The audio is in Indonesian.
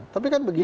tapi kan begini